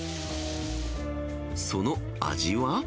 その味は？